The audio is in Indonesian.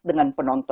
jangan gue gaya ya